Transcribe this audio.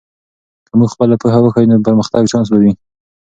که موږ خپله پوهه وښیو، نو د پرمختګ چانس به وي.